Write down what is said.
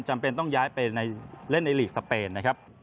จำเป็นต้องย้ายไปเล่นในหลีกสเปนนะครับ